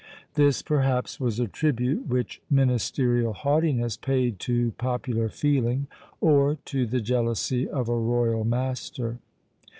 This perhaps was a tribute which ministerial haughtiness paid to popular feeling, or to the jealousy of a royal master.